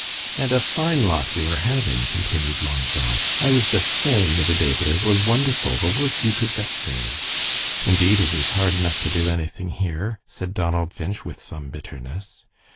"And a fine lot you are having," continued Long John. "I was just saying the other day that it was wonderful the work you could get through." "Indeed, it is hard enough to do anything here," said Donald Finch, with some bitterness.